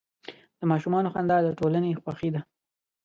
د ماشومانو خندا د ټولنې خوښي ده.